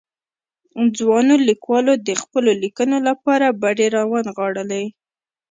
ځوانو ليکوالو د خپلو ليکنو لپاره بډې را ونغاړلې.